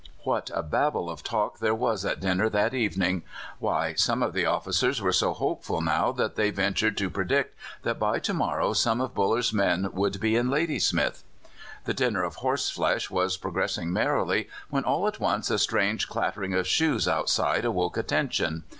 What a Babel of talk there was at dinner that evening! Why, some officers were so hopeful now that they ventured to predict that by to morrow some of Buller's men would be in Ladysmith. The dinner of horse flesh was progressing merrily when all at once a strange clattering of shoes outside awoke attention.